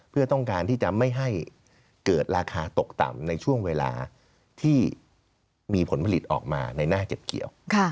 เพื่อต้องการที่จะไม่ให้เกิดราคาตกต่ำในช่วงเวลาที่มีผลผลิตออกมาในหน้าเก็บเกี่ยว